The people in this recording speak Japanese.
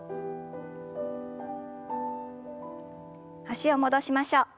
脚を戻しましょう。